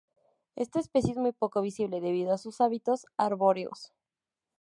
Esta especie es muy poco visible debido a sus hábitos arbóreos.